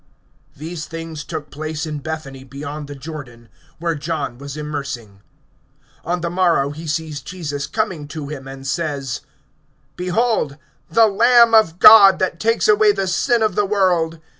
(28)These things took place in Bethany beyond the Jordan, where John was immersing. (29)On the morrow, he sees Jesus coming to him, and says: Behold the Lamb of God, that takes away the sin of the world!